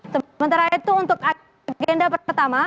sementara itu untuk agenda pertama